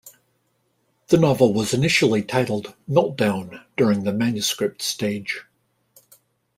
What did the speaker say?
The novel was initially titled "Meltdown" during the manuscript stage.